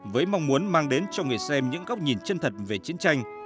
với mong muốn mang đến cho người xem những góc nhìn chân thật về chiến tranh